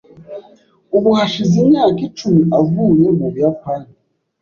Ubu hashize imyaka icumi avuye mu Buyapani.